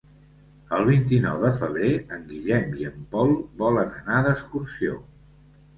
El vint-i-nou de febrer en Guillem i en Pol volen anar d'excursió.